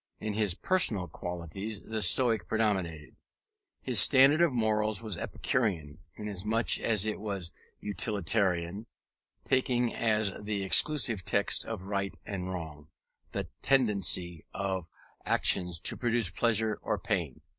In his personal qualities the Stoic predominated. His standard of morals was Epicurean, inasmuch as it was utilitarian, taking as the exclusive test of right and wrong, the tendency of actions to produce pleasure or pain.